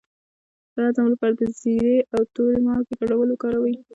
د هضم لپاره د زیرې او تورې مالګې ګډول وکاروئ